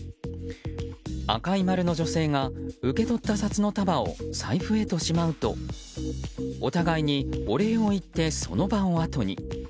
赤い丸の女性が受け取った札の束を財布へとしまうとお互いにお礼を言ってその場をあとに。